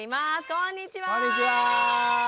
こんにちは。